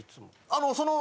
あのその。